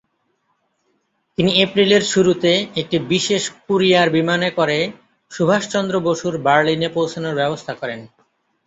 তিনি এপ্রিলের শুরুতে, একটি বিশেষ কুরিয়ার বিমানে করে সুভাষচন্দ্র বসুর বার্লিনে পৌছানোর ব্যবস্থা করেন।